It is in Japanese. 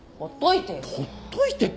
ほっといてよ。